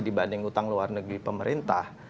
dibanding utang luar negeri pemerintah